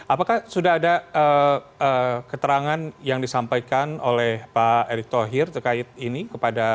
apakah sudah ada keterangan yang disampaikan oleh pak erick thohir terkait ini kepada